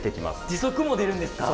時速も出るんですか？